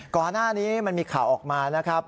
ก่อนหน้านี้มันมีข่าวออกมานะครับ